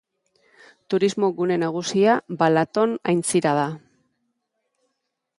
Turismo gune nagusia Balaton aintzira da.